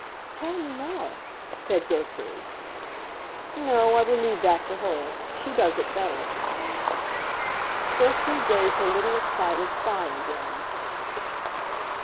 "Tell me more," said Gertrude. "No, I will leave that to her; she does it better." Gertrude gave her little excited sigh again.